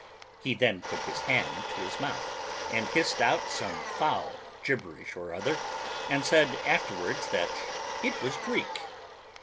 He then put his hand to his mouth and hissed out some foul gibberish or other, and said afterwards that it was Greek.